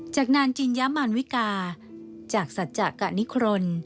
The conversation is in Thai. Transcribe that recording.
จากนางจินยามารวิกาจากสัจจะกะนิครน